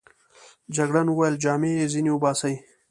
جګړن وویل: جامې يې ځینې وباسئ.